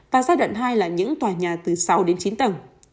và giai đoạn hai là những tòa nhà từ sáu đến chín tầng